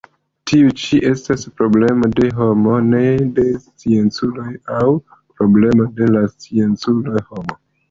Tiu ĉi estas problemo de homo, ne de scienculo, aŭ problemo de la scienculo-homo.